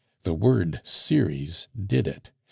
The word 'series' did it!